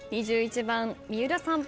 ２１番三浦さん。